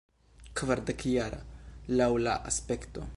Kvardekjara, laŭ la aspekto.